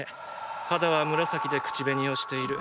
肌は紫で口紅をしている。